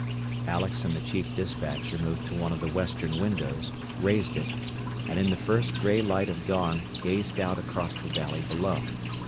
Alex and the chief despatcher moved to one of the western windows, raised it, and in the first gray light of dawn gazed out across the valley below.